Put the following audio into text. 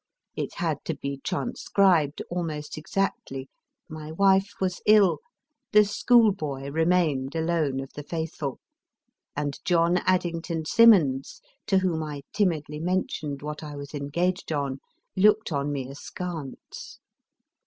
It had to be transcribed MRS. R. L. STEVENSON almost exactly ; my wife was ill ; the schoolboy remained alone of the faithful ; and John Addington Symonds (to whom I timidly mentioned what I was engaged on) looked on me askance.